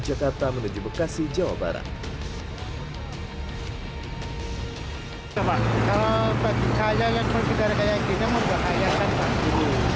jakarta menuju bekasi jawa barat kalau bagi saya yang berpengaruh kayak gini membahayakan